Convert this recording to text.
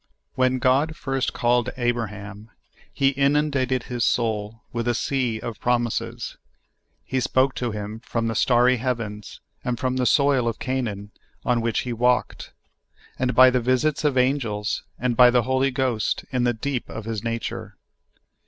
When God first called Abraham, He inundated his soul with a sea of promises ; He spoke to him from the starr}^ heavens, and from the soil of Canaan on which he walked, and by the visits of angels, and by the Holy Ghost in the deep of his nature.